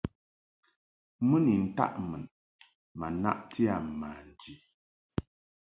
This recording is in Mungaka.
Mɨ ni ntaʼ mun ma naʼti a manji.